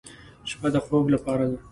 شپه د خوب لپاره ده.